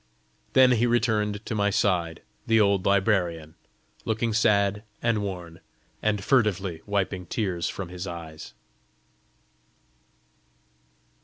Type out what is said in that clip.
Then he returned to my side the old librarian, looking sad and worn, and furtively wiping tears from his eyes.